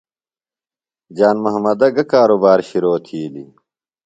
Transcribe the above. جان محمدہ گہ کاروبار شرو تِھیلیۡ؟